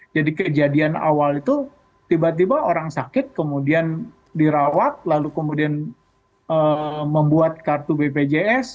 jadi kejadian awal itu tiba tiba orang sakit kemudian dirawat lalu kemudian membuat kartu bpjs